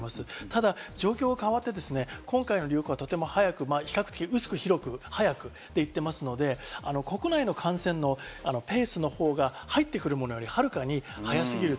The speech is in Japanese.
ただ状況は変わって、今回の流行はとても早く、比較的、薄く、広く、早くと言ってますので、国内の感染のペースのほうが入ってくるものよりはるかに早すぎる。